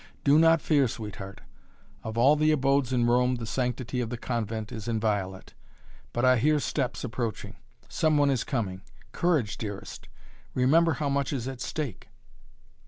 Do not fear, sweetheart! Of all the abodes in Rome the sanctity of the convent is inviolate! But I hear steps approaching some one is coming. Courage, dearest remember how much is at stake!"